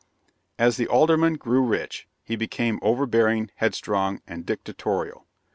As the Alderman grew rich, he became overbearing, headstrong, and dictatorial.